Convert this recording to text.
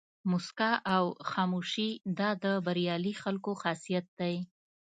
موسکا او خاموشي دا د بریالي خلکو خاصیت دی.